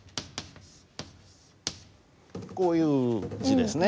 こういう字ですね。